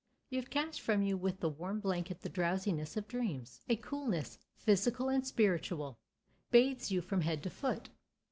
You have cast from you with the warm blanket the drowsiness of dreams. A coolness, physical and spiritual, bathes you from head to foot.